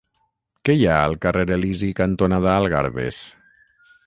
Què hi ha al carrer Elisi cantonada Algarves?